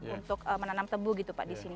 untuk menanam tebu gitu pak di sini